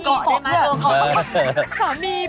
สามีเท่าเหรอ